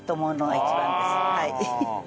はい。